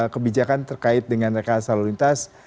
kebijakan terkait dengan rekaan salur lintas